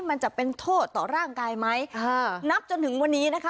มันจะเป็นโทษต่อร่างกายไหมอ่านับจนถึงวันนี้นะคะ